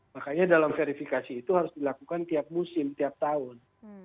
makanya dalam verifikasi itu harus dilakukan tiap musim tiap tahun